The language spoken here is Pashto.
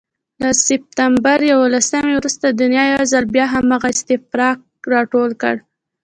له سپتمبر یوولسمې وروسته دنیا یو ځل بیا هماغه استفراق راټول کړ.